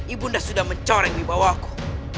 ibu anda sudah mencoreng dibawahku